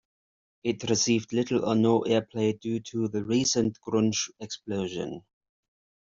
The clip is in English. It received little or no airplay due to the recent Grunge explosion.